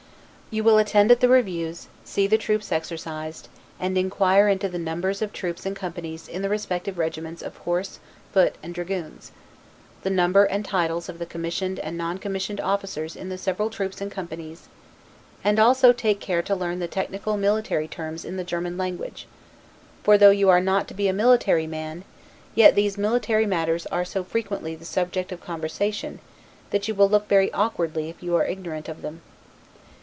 You will attend at the reviews, see the troops exercised, and inquire into the numbers of troops and companies in the respective regiments of horse, foot, and dragoons; the numbers and titles of the commissioned and non commissioned officers in the several troops and companies; and also take care to learn the technical military terms in the German language; for though you are not to be a military man, yet these military matters are so frequently the subject of conversation, that you will look very awkwardly if you are ignorant of them.